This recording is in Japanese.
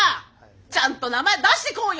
ちゃんと名前出してこうよ。